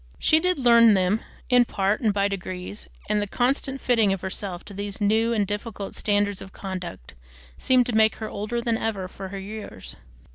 She did learn them, in part, and by degrees, and the constant fitting of herself to these new and difficult standards of conduct seemed to make her older than ever for her years.